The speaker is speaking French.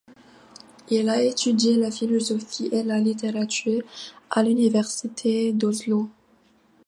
Il a étudié la philosophie et la littérature à l'université d'Oslo.